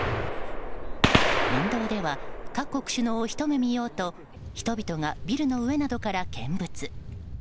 沿道では各国首脳をひと目見ようと人々がビルの上などから見物。